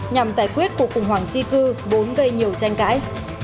nhằm giải quyết cuộc khủng hoảng di cư vốn gây nhiều tranh cãi